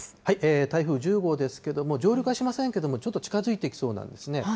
台風１０号ですけども、上陸はしませんけれども、ちょっと近づいてきそうなんですね。